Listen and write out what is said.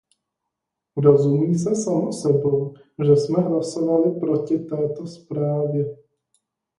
Rozumí se samo sebou, že jsme hlasovali proti této zprávě.